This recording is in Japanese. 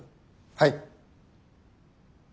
はい。